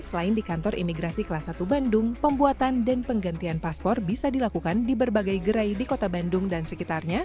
selain di kantor imigrasi kelas satu bandung pembuatan dan penggantian paspor bisa dilakukan di berbagai gerai di kota bandung dan sekitarnya